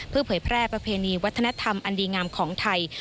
เพื่อเผยแพร่ประเพณีวัฒนธรรมอันดีงามของไทย